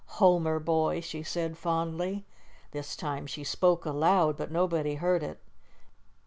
"Homer, boy," she said fondly. This time she spoke aloud, but nobody heard it.